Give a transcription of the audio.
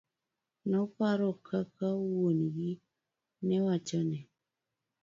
Noparo kaka wuon gi newachone.